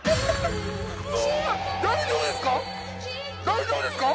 大丈夫ですか？